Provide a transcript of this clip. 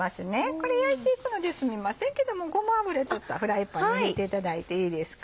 これ焼いていくのですみませんけどもごま油ちょっとフライパンに入れていただいていいですか？